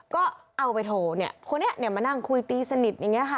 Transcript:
ก็เอาไปโทรคนนี้มานั่งคุยตีสนิทอย่างนี้ค่ะ